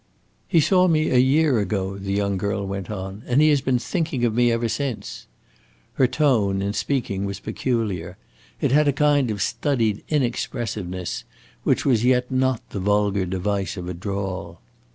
"He saw me a year ago," the young girl went on, "and he has been thinking of me ever since." Her tone, in speaking, was peculiar; it had a kind of studied inexpressiveness, which was yet not the vulgar device of a drawl.